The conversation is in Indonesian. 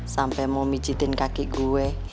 sampai mau micitin kaki gue